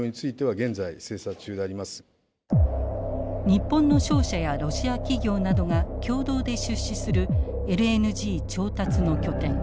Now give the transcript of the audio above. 日本の商社やロシア企業などが共同で出資するＬＮＧ調達の拠点